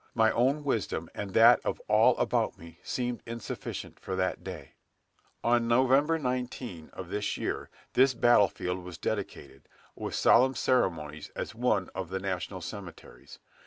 My own wisdom and that of all about me seemed insufficient for that day." On Nov. 19, of this year, this battle field was dedicated, with solemn ceremonies, as one of the national cemeteries.